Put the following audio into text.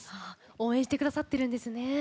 応援してくださってるんですね。